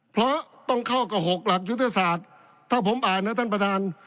เพราะต้องเข้ากับ๖หลักยุทธศาสตร์ถ้าผมอ่านนะท่านประธาน